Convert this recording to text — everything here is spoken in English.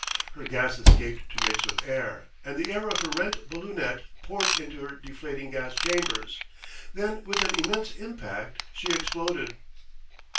Her gas escaped to mix with air, and the air of her rent balloonette poured into her deflating gas chambers. Then with an immense impact she exploded....